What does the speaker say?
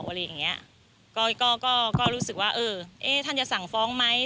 อะไรอย่างเงี้ยก็ก็ก็รู้สึกว่าเออเอ๊ะท่านจะสั่งฟ้องไหม